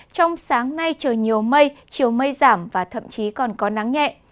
trong sáng nay trời nhiều mây chiều mây giảm và thậm chí còn có nắng nhẹ